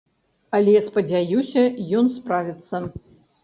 Але, спадзяюся, ён справіцца.